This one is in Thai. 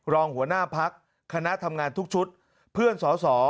รองหัวหน้าพักคณะทำงานทุกชุดเพื่อนสอสอ